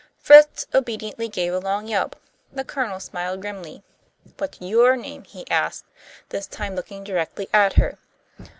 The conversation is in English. Fritz obediently gave a long yelp. The Colonel smiled grimly. "What's your name?" he asked, this time looking directly at her.